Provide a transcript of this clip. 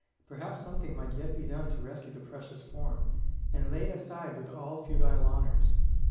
Perhaps something might yet be done to rescue the precious form, and lay it aside with all futile honours.